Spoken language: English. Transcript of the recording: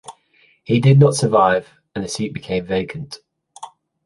He did not survive, and the seat became vacant.